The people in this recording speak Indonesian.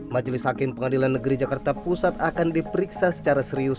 majelis hakim pengadilan negeri jakarta pusat akan diperiksa secara serius